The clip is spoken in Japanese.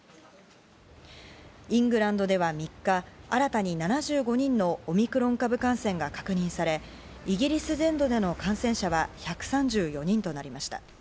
イングランドでは３日、新たに７５人のオミクロン株感染が確認され、イギリス全土での感染者は１３４人となりました。